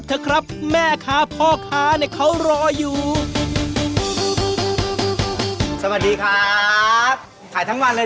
ปลาพลาแกนดีตัวเลยมีปลาแกนตัวเลย